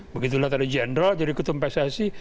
begitu lihat dari jenderal jadi ketumpesasi